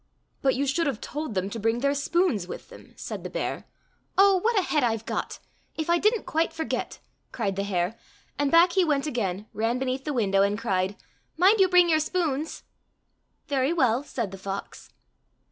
—" But you should have told them to bring their spoons with them," said the bear. —" Oh, what a head Fve got ! if I didn't quite forget !" cried the hare, and back he went again, ran beneath the window and cried, " Mind you bring your spoons !"—" Very well," said the fox.